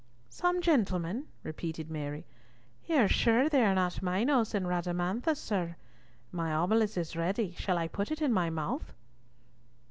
"Some gentlemen?" repeated Mary. "You are sure they are not Minos and Rhadamanthus, sir? My obolus is ready; shall I put it in my mouth?"